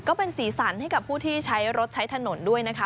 ก็เป็นสีสันให้กับผู้ที่ใช้รถใช้ถนนด้วยนะคะ